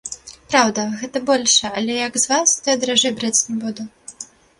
Праўда, гэты большы, але як з вас, то я даражэй браць не буду.